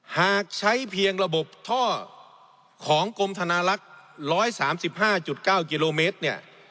หากใช้เพียงระบบท่อของกรมธนาลักษณ์๑๓๕๙กิโลเมตรเนี่ย